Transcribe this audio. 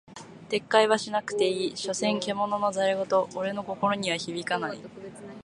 撤回はしなくていい、所詮獣の戯言俺の心には響かない。